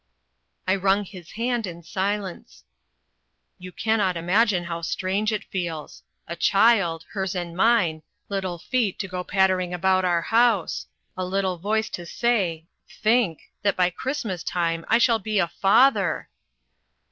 I wrung his hand in silence. "You cannot imagine how strange it feels. A child hers and mine little feet to go pattering about our house a little voice to say Think, that by Christmas time I shall be a FATHER."